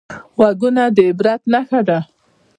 غوږونه د عبرت ژبه ده